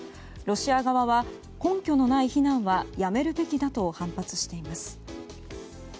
ロシア側は根拠のない非難はやめるべきだと反発しています。